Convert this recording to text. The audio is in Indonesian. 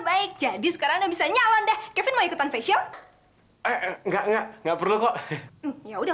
baik jadi sekarang bisa nyawa deh kevin mau ikutan facial enggak nggak perlu kok ya udah